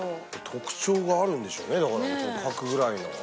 特徴があるんでしょうねだから描くぐらいの。